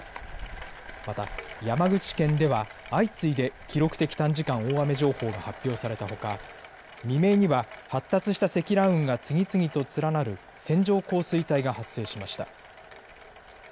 また、山口県では相次いで記録的短時間大雨情報が発表されたほか未明には発達した積乱雲が次々と連なる線状降水帯が発生しました。